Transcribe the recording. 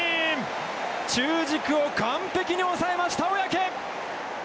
中軸を完璧に抑えました、小宅！